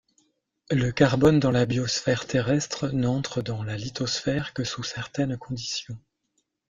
Le carbone dans la biosphère terrestre n'entre dans la lithosphère que sous certaines conditions.